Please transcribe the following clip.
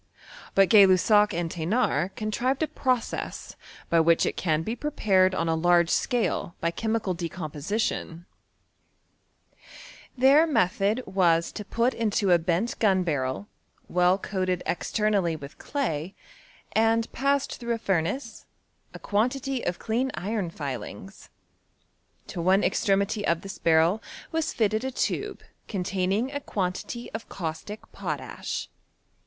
But Gay Lussac and Thenard con* tmed a process by which it can be prepared on a Itapi scale by chemical decomposition* Their I I I I method was, lo put into a bent gnu barrel, weU coated extemallv with t^laj, and passed through a furnace, a quantity of clean iron tiling. To one extremrty of this barrel was fitted a tube containing a quantity of caustic potash.